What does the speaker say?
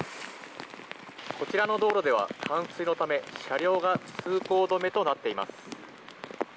こちらの道路では冠水のため車両が通行止めとなっています。